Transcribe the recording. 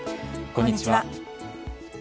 こんにちは。